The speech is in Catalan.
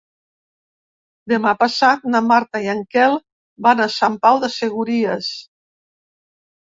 Demà passat na Marta i en Quel van a Sant Pau de Segúries.